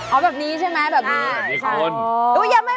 เอาแบบนี้ใช่ไหมแบบนี้ใช่อ๋อ